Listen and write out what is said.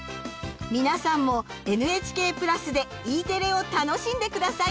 皆さんもＮＨＫ＋でＥテレを楽しんで下さい。